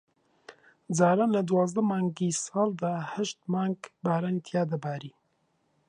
جاران لە دوانزە مانگی ساڵدا ھەشت مانگ بارانی تیا دەباری